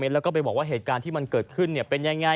แล้วก็ไปบอกว่าเหตุการณ์ที่มันเกิดขึ้นเป็นยังไง